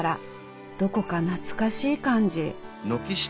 どこか懐かしい感じ。